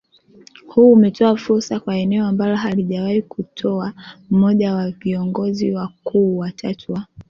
huu umetoa fursa kwa eneo ambalo halijawahi kutoa mmoja wa viongozi wakuu watatu wa